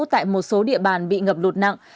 tại một số địa bàn bị ngập lụt nặng